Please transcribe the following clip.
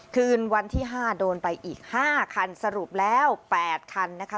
คืนวันที่๕โดนไปอีก๕คันสรุปแล้ว๘คันนะคะ